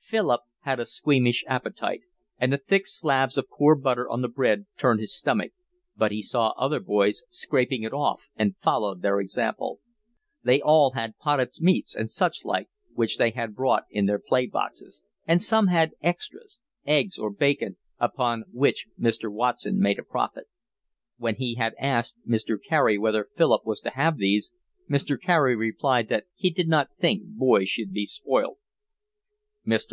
Philip had a squeamish appetite, and the thick slabs of poor butter on the bread turned his stomach, but he saw other boys scraping it off and followed their example. They all had potted meats and such like, which they had brought in their play boxes; and some had 'extras,' eggs or bacon, upon which Mr. Watson made a profit. When he had asked Mr. Carey whether Philip was to have these, Mr. Carey replied that he did not think boys should be spoilt. Mr.